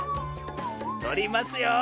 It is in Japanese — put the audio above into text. とりますよ。